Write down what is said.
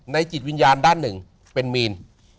จิตวิญญาณด้านหนึ่งเป็นมีน